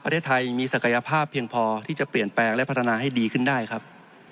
ประเทศไทยมีศักยภาพเพียงพอที่จะเปลี่ยนแปลงและพัฒนาให้ดีขึ้นได้ครับ